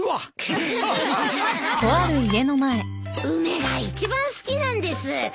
梅が一番好きなんです。